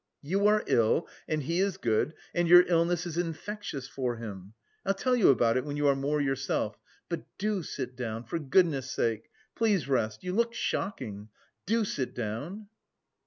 You are ill and he is good and your illness is infectious for him... I'll tell you about it when you are more yourself.... But do sit down, for goodness' sake. Please rest, you look shocking, do sit down."